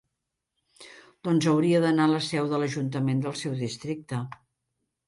Doncs hauria d'anar a la seu de l'Ajuntament del seu districte.